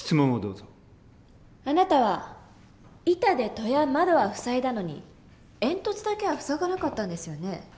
あなたは板で戸や窓は塞いだのに煙突だけは塞がなかったんですよね？